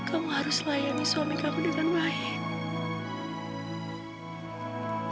kamu harus layani suami kamu dengan baik